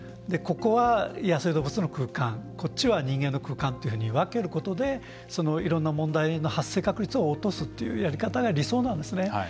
ここは野生動物の空間こっちは人間の空間というふうに分けることで、いろんな問題の発生確率を落とすというやり方が理想なんですね。